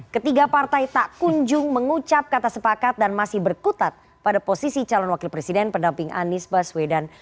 ketiga partai tak kunjung mengucap kata sepakat dan masih berkutat pada posisi calon wakil presiden pendamping anies baswedan